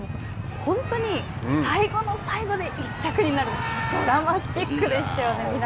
本当に最後の最後で１着になるドラマチックでしたよね。